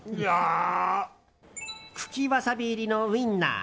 茎わさび入りのウインナー。